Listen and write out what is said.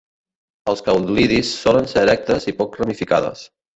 Els caulidis solen ser erectes i poc ramificades.